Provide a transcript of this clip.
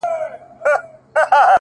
• په هغې باندي چا کوډي کړي ـ